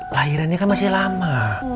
lahirannya kan masih lama